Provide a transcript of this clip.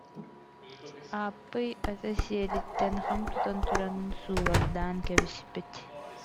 Ааппый, аты сиэлиттэн хам тутан туран, сулардаан кэбиспит